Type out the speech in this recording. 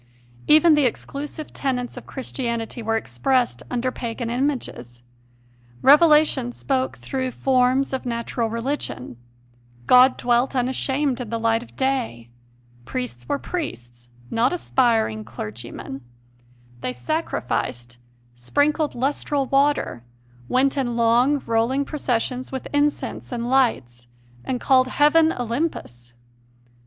Even the exclusive tenets of Christianity were expressed under pagan images. Revelation spoke through forms of natural religion; God dwelt unashamed in the light of day; priests were priests, not aspiring clergymen; they CONFESSIONS OF A CONVERT 155 sacrificed, sprinkled lustral water, went in long, rolling processions with incense and lights, and called heaven Olympus.